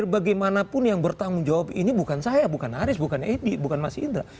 bagaimanapun yang bertanggung jawab ini bukan saya bukan haris bukan edi bukan mas indra